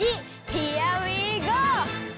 ヒアウィーゴー！